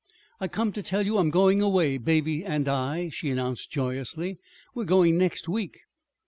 "I came to tell you. I'm going away Baby and I," she announced joyously. "We're going next week."